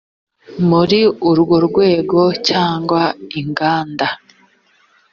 muri urwo rwego cyangwa inganda